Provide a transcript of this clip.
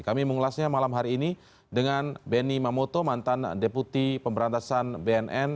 kami mengulasnya malam hari ini dengan benny mamoto mantan deputi pemberantasan bnn